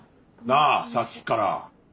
なあさっきから。